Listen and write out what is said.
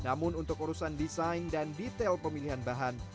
namun untuk urusan desain dan detail pemilihan bahan